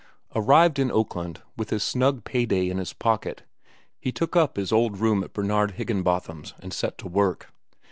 Arrived in Oakland, with his snug pay day in his pocket, he took up his old room at Bernard Higginbotham's and set to work.